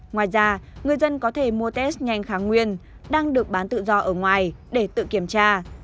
ngoài ra người dân có thể mua test nhanh kháng nguyên đang được bán tự do ở ngoài để tự kiểm tra